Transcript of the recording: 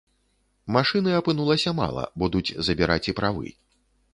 Машыны апынулася мала, будуць забіраць і правы.